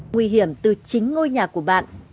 nguy hiểm từ chính ngôi nhà của bạn